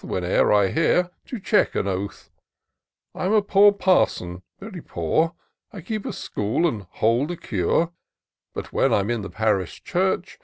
Whene'er I hear, to check an oath. I'm a poor parson — ^very poor — I keep a school, and hold a cure ; But when I'm in the parish church.